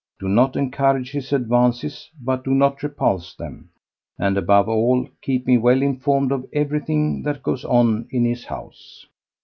Do not encourage his advances, but do not repulse them, and above all keep me well informed of everything that goes on in his house."